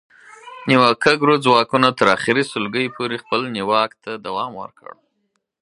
نیواکګرو ځواکونو تر اخري سلګۍ پورې خپل نیواک ته دوام ورکړ